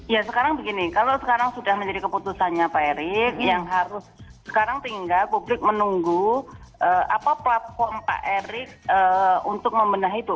ya sekarang begini kalau sekarang sudah menjadi keputusannya pak erik yang harus sekarang tinggal publik menunggu platform pak erik untuk membenahi itu